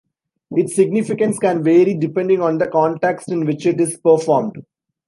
Its significance can vary depending on the context in which it is performed.